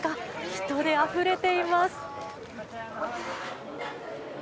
人であふれています。